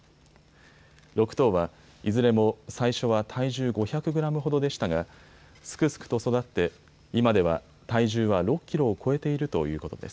６頭はいずれも最初は体重５００グラムほどでしたがすくすくと育って今では体重は６キロを超えているということです。